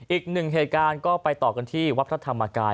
อีกหนึ่งเหตุการณ์ก็ไปต่อกันที่วัดพระธรรมกาย